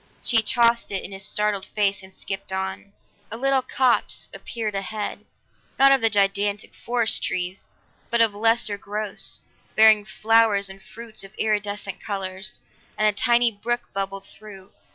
She tossed it in his startled face and skipped on. A little copse appeared ahead, not of the gigantic forest trees, but of lesser growths, bearing flowers and fruits of iridescent colors, and a tiny brook bubbled through.